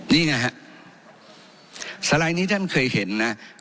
นี่ไงฮะสไลด์นี้ท่านเคยเห็นนะ